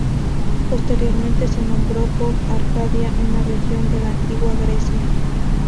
Posteriormente se nombró por Arcadia, una región de la Antigua Grecia.